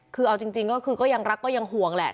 คือเอาจริงก็คือก็ยังรักก็ยังห่วงแหละ